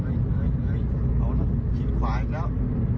เอาล่ะขีดขวาอีกแล้ว